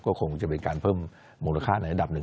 ก็คงจะเป็นการเพิ่มมูลค่าในอันดับหนึ่ง